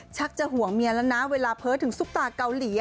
จะห่วงเมียแล้วนะเวลาเพ้อถึงซุปตาเกาหลี